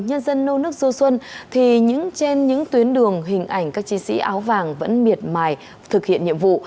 nhân dân nâu nước xuôi xuân thì trên những tuyến đường hình ảnh các chi sĩ áo vàng vẫn miệt mải thực hiện nhiệm vụ